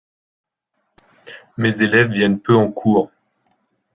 Mes élèves viennent peu en cours.